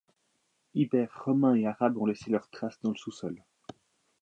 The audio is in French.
Ibères, romains et arabes ont laissé leurs traces dans le sous-sol.